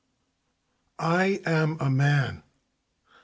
I am a man!